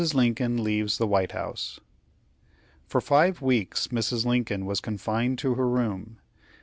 LINCOLN LEAVES THE WHITE HOUSE For five weeks Mrs. Lincoln was confined to her room.